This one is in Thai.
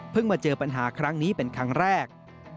มาเจอปัญหาครั้งนี้เป็นครั้งแรก